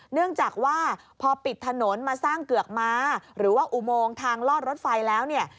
เนื่องจากว่าพอปิดถนนมาสร้างเกือกม้าหรือว่าอุโมงทางลอดรถไฟแล้วเนี่ย